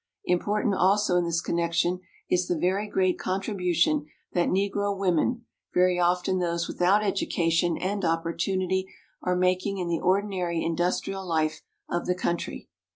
Important also in this connection is the very great contribu tion that Negro women very often those without education and opportunity are making in the ordinary industrial life of the country.